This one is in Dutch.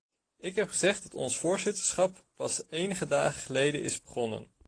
Ik heb gezegd dat ons voorzitterschap pas enige dagen geleden is begonnen.